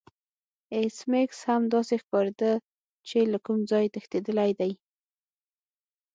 ایس میکس هم داسې ښکاریده چې له کوم ځای تښتیدلی دی